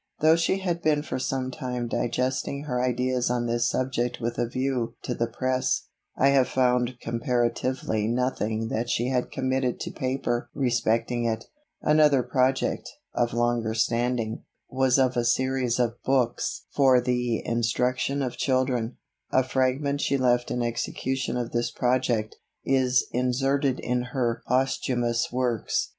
Though she had been for some time digesting her ideas on this subject with a view to the press, I have found comparatively nothing that she had committed to paper respecting it. Another project, of longer standing, was of a series of books for the instruction of children. A fragment she left in execution of this project, is inserted in her Posthumous Works.